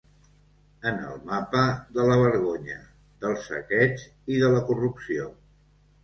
En el mapa de la vergonya, del saqueig i de la corrupció.